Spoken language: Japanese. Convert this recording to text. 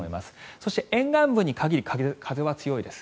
そして沿岸部に限り風は強いです。